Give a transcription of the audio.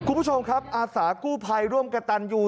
คุณผู้ชมครับอาสากู้ภัยร่วมกับตันยู